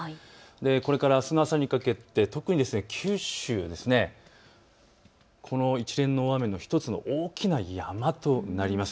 これからあすの朝にかけて特に九州、この一連の大雨の１つの大きな山となります。